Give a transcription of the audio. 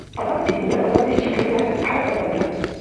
Адамти, вари, адамдеш чихъли дихӀес хӀяракатбарая!